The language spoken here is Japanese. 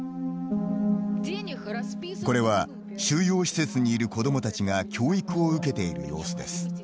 これは、収容施設にいる子どもたちが教育を受けている様子です。